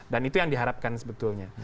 dan itu yang diharapkan sebetulnya